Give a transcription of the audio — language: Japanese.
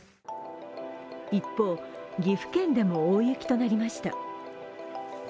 一方、岐阜県でも大雪となりました